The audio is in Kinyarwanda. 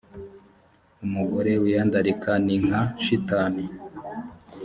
umugore wiyandarika ni nka shitani